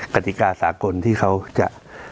กติกาสากลที่เขาจะ